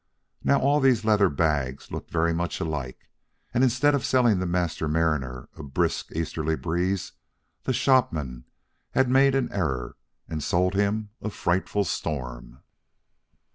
Now all these leather bags looked very much alike, and instead of selling the Master Mariner a brisk easterly breeze, the shopman had made an error, and sold him a frightful storm.